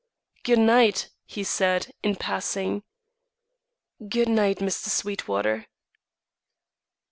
"Good night!" he said, in passing. "Good night, Mr. Sweetwater."